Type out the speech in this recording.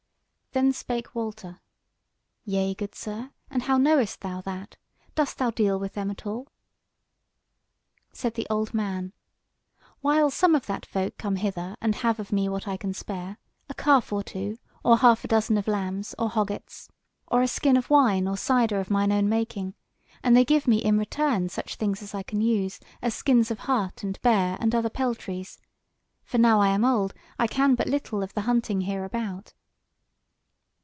Then spake Walter: "Yea, good sir, and how knowest thou that? dost thou deal with them at all?" Said the old man: "Whiles some of that folk come hither and have of me what I can spare; a calf or two, or a half dozen of lambs or hoggets; or a skin of wine or cyder of mine own making: and they give me in return such things as I can use, as skins of hart and bear and other peltries; for now I am old, I can but little of the hunting hereabout.